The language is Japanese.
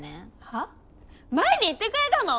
前に言ってくれたの！